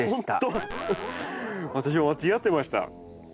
私間違ってました。